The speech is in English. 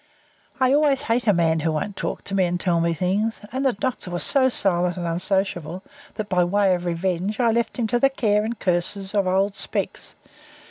I always hate a man who won't talk to me and tell me things, and the doctor was so silent and unsociable, that, by way of revenge, I left him to the care and curses of old "Specs."